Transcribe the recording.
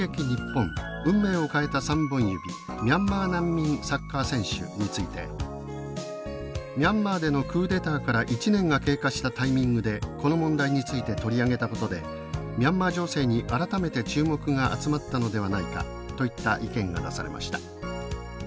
にっぽん「運命を変えた３本指ミャンマー難民サッカー選手」について「ミャンマーでのクーデターから１年が経過したタイミングでこの問題について取り上げたことでミャンマー情勢に改めて注目が集まったのではないか」といった意見が出されました。